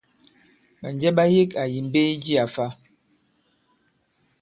Ɓànjɛ ɓa yek àyì mbe i jiā fa?